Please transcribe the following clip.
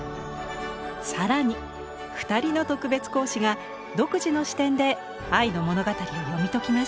更に２人の特別講師が独自の視点で愛の物語を読み解きます。